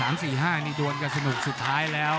๓๔๕นี่ดวนก็สนุกสุดท้ายแล้ว